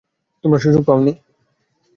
তোমরা সুযোগ পাওনি?